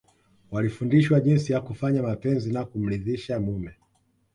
Walifundishwa jinsi ya kufanya mapenzi na kumridhisha mume